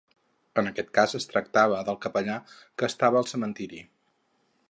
En aquest cas es tractava del capellà que estava al cementeri.